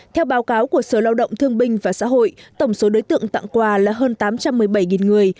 theo báo cáo của sở lao động thương binh và xã hội tổng số đối tượng tặng quà là hơn tám trăm một mươi bảy người